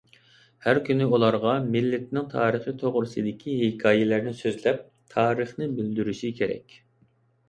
ھەر كۈنى ئۇلارغا مىللىتىنىڭ تارىخى توغرىسىدىكى ھېكايىلەرنى سۆزلەپ، تارىخنى بىلدۈرۈشى كېرەك.